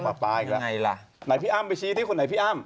ไหนพี่อ้ามไปชี้ที่คนไหนพี่อ้าม